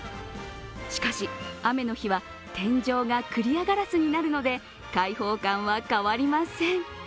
しかし雨の日は天井がクリアガラスになるので解放感は変わりません。